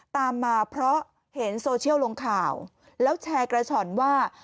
ตามมาเพราะเห็นโซเชียลลงข่าวแล้วแชร์กระช่อนว่า